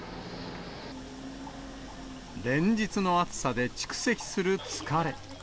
連日の暑さで蓄積する疲れ。